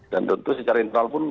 dan tentu secara internal pun